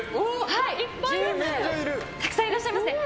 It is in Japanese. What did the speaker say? たくさんいらっしゃいますね。